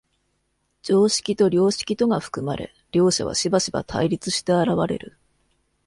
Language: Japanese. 常識と良識とが含まれ、両者はしばしば対立して現れる。